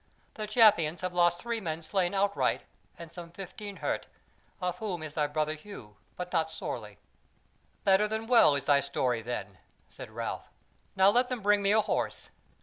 The Champions have lost three men slain outright, and some fifteen hurt; of whom is thy brother Hugh, but not sorely." "Better than well is thy story then," said Ralph. "Now let them bring me a horse."